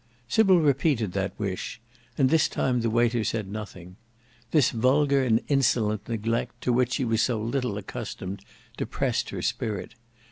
Sybil repeated that wish, and this time the waiter said nothing. This vulgar and insolent neglect to which she was so little accustomed depressed her spirit.